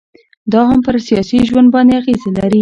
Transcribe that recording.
دا هم پر سياسي ژوند باندي اغيزي لري